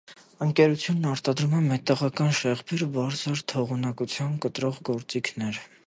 Ընկերությունն արտադրում է մետաղական շեղբեր ու բարձր թողունակության կտրող գործիքներ։